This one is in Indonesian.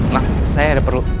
mak saya ada perlu